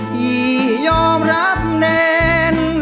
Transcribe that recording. พี่ยอมรับแนน